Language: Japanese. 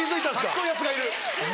賢いヤツがいる。